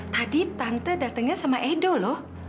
tadi tante datangnya sama edo loh